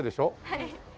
はい。